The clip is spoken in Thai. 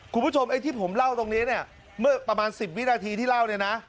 คุณผู้ชมไอ้ที่ผมเล่าตรงนี้เนี่ยเมื่อประมาณ๑๐วินาทีที่เล่าเนี่ยนะ